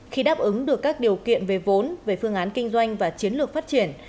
khi đáp ứng được các điều kiện về vốn về phương án kinh doanh và chiến lược phát triển